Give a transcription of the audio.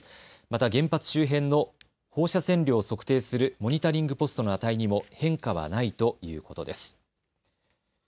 また原発周辺の放射線量を測定するモニタリングポストの値にも変化はないということです。